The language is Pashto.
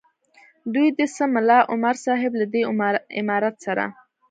دوه دې سه ملا عمر صاحب له دې امارت سره.